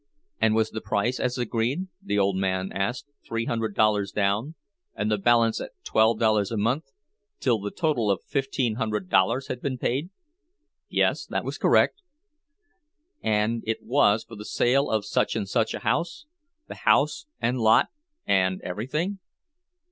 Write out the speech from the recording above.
And was the price as agreed? the old man asked—three hundred dollars down, and the balance at twelve dollars a month, till the total of fifteen hundred dollars had been paid? Yes, that was correct. And it was for the sale of such and such a house—the house and lot and everything?